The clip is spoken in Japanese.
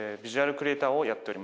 クリエイターをやっております。